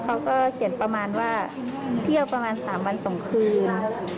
เขาก็เขียนประมาณว่าเที่ยวประมาณ๓วัน๒คืน